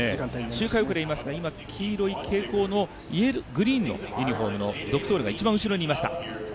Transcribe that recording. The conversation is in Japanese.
周回後れいますが黄色い蛍光のグリーンのユニフォームのドクトールが今、一番後ろにいました。